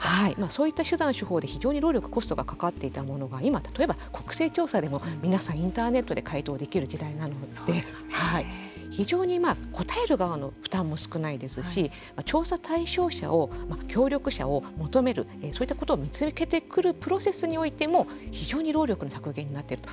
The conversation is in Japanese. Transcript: そういった手段、手法で非常に労力、コストがかかっていたものが今、例えば国勢調査でも皆さん、インターネットで回答ができる時代なので非常に答える側の負担も少ないですし調査対象者を協力者を求めるそういったことを見つけてくるプロセスにおいても非常に労力の削減になっていると。